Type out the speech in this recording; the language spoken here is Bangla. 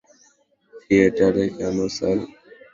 থিয়েটারে, কেন, স্যার?